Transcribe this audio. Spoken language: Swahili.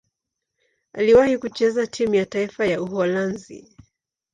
Aliwahi kucheza timu ya taifa ya Uholanzi.